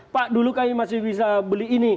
pak dulu kami masih bisa beli ini